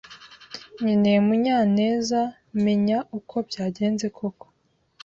nkeneye ko Munyanezamenya uko byagenze koko.